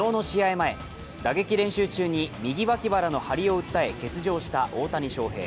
前、打撃練習中に右脇腹の張りを訴え欠場した大谷翔平。